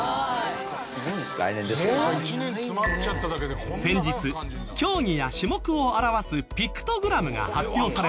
先日競技や種目を表すピクトグラムが発表されました。